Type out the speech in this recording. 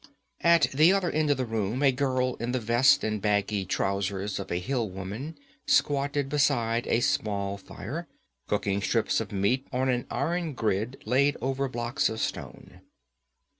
At the other end of the room a girl in the vest and baggy trousers of a hill woman squatted beside a small fire, cooking strips of meat on an iron grid laid over blocks of stone.